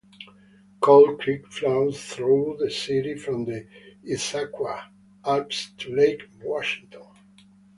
Coal Creek flows through the city from the Issaquah Alps to Lake Washington.